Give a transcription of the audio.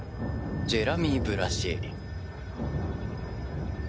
ジェラミー・ブラシエリ。